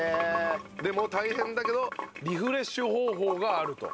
でも大変だけどリフレッシュ方法があると。